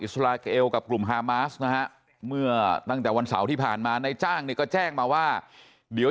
สลาเอลกับกลุ่มฮามาสนะฮะเมื่อตั้งแต่วันเสาร์ที่ผ่านมานายจ้างเนี่ยก็แจ้งมาว่าเดี๋ยว